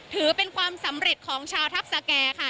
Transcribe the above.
ถือเป็นความสำเร็จของชาวทัพสแก่ค่ะ